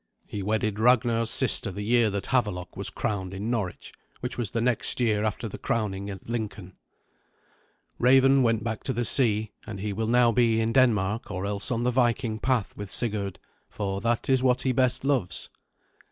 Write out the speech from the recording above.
He wedded Ragnar's sister the year that Havelok was crowned in Norwich, which was the next year after the crowning at Lincoln. Raven went back to the sea, and he will now be in Denmark or else on the Viking path with Sigurd, for that is what he best loves.